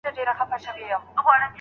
د لارښود مشورې تر هر څه مهمي دي.